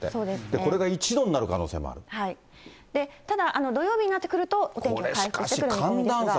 これが１度になる可能性もあただ、土曜日になってくると、お天気は回復している見込みですが。